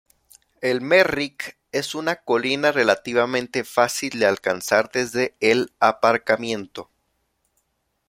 El Merrick es una colina relativamente fácil de alcanzar desde el aparcamiento.